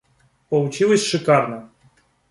Получилось шикарно.